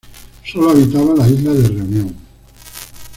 Sólo habitaba la isla de Reunión.